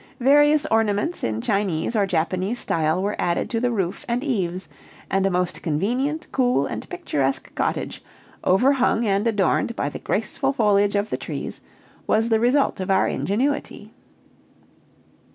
Various ornaments in Chinese or Japanese style were added to the roof and eaves, and a most convenient, cool, and picturesque cottage, overhung and adorned by the graceful foliage of the trees, was the result of our ingenuity.